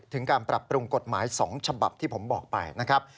ถึงการปรับปรุงกฎหมาย๒ฉบับที่ผมบอกไปนะครับ